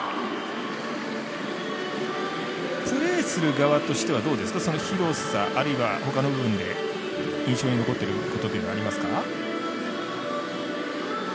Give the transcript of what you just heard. プレーする側としては広さ、あるいはほかの部分で印象に残ってることというのはありますか？